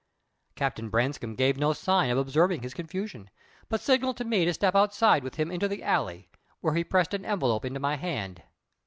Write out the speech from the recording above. Captain Branscome gave no sign of observing his confusion, but signalled to me to step outside with him into the alley, where he pressed an envelope into my hand.